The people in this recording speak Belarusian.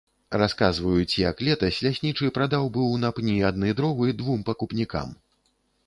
Расказваюць, як летась ляснічы прадаў быў на пні адны дровы двум пакупнікам.